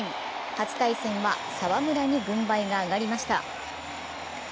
初対戦は澤村に軍配が上がりました。